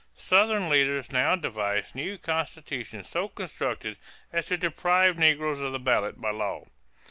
Southern leaders now devised new constitutions so constructed as to deprive negroes of the ballot by law.